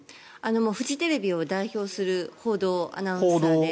フジテレビを代表する報道アナウンサーで。